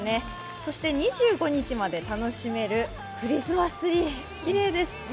そして２５日まで楽しめるクリスマスツリー、きれいです。